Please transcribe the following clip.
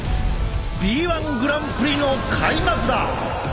Ｂ−ＯＮＥグランプリの開幕だ！